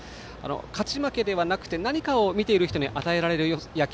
勝ち負けではなくて見ている人に何かを与えられる野球。